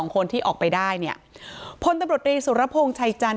๑๕๒คนที่ออกไปได้เนี่ยพลตบริษฐ์สุรพงษ์ชัยจันทร์